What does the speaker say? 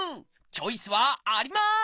チョイスはあります！